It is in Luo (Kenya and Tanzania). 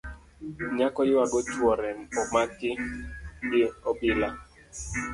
Nyako yuago chuore omaki gi obila